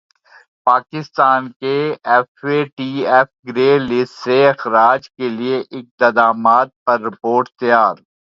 پاکستان کے F A T F grey list سے اخراج کیلئے اقدامات پر رپورٹ تیار